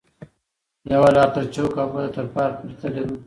یوه لار تر چوک او بله تر پارک پورې تللې ده.